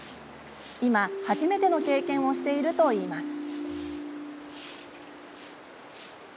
今、初めての経験をしているといいます。